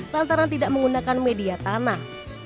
lantaran tidak menggunakan media tanah